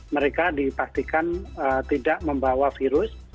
mereka dipastikan tidak membawa virus